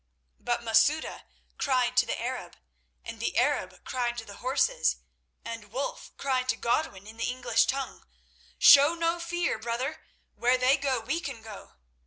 But Masouda cried to the Arab, and the Arab cried to the horses, and Wulf cried to Godwin in the English tongue, "Show no fear, brother. Where they go, we can go."